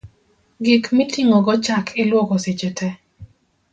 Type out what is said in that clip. gik miting'ogo chak iluoko seche te